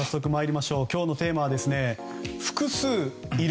今日のテーマは複数いる？